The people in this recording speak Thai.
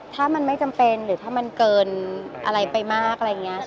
ถ้ามันไม่จำเป็นหรือถ้ามันเกินอะไรไปมาก